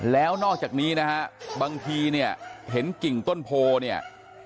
แล้วนอกจากนี้นะฮะบางทีเนี่ยเห็นกิ่งต้นโพเนี่ย